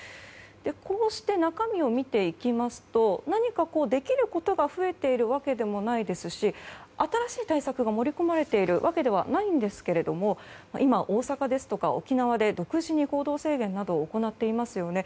こうして中身を見ていきますと何かできることが増えているわけでもないですし新しい対策が盛り込まれているわけではないですが今、大阪ですとか沖縄で独自に行動制限を行っていますよね。